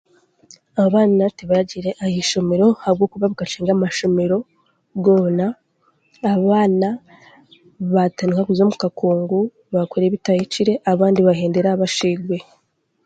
Abaana tibaragiire aha mashoro ahabwokuba nkashanga amashomero goona abaana baatandika kuza omu kakungu baakora ebitayikire abandi baahendera bashwirwe